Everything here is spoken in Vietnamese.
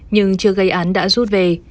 nhưng chưa gây án đã rút về